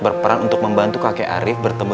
berperan untuk membantu kakek arief bertemu